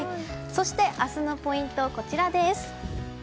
そして明日のポイントです。